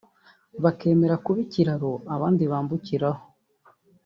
bakemera kuba ikiraro abandi bambukiraho